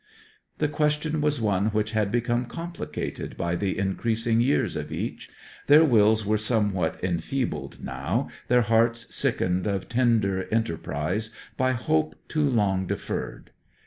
The question was one which had become complicated by the increasing years of each. Their wills were somewhat enfeebled now, their hearts sickened of tender enterprise by hope too long deferred.